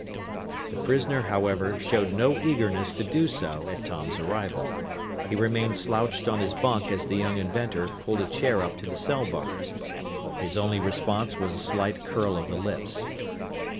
The prisoner, however, showed no eagerness to do so at Tom's arrival. He remained slouched on his bunk as the young inventor pulled a chair up to the cell bars. His only response was a slight curl of the lips.